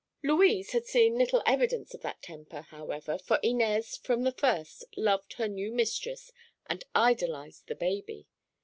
Louise had seen little evidence of that temper, however, for Inez from the first loved her new mistress and idolized the baby.